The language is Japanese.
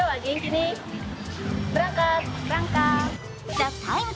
「ＴＨＥＴＩＭＥ，」